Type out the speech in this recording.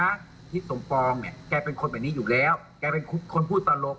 แกก็แซวลุงนี่นั่งเข้าใจไหมว่ามันเป็นตาตาของแก